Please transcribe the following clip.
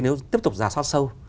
nếu tiếp tục ra soát sâu